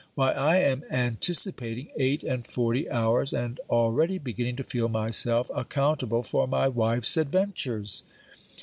Why I am anticipating eight and forty hours, and already beginning to feel myself accountable for my wife's adventures!